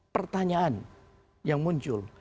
pertanyaan yang muncul